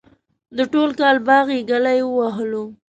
د ټول کال باغ یې گلی ووهلو.